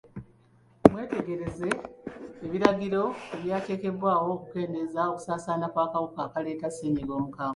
Mwetegereze ebiragiro ebyateekebwawo mu kukendeeza okusaasaana kw'akawuka akaleeta ssennyiga omukambwe.